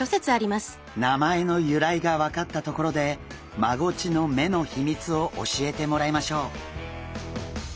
名前の由来が分かったところでマゴチの目の秘密を教えてもらいましょう。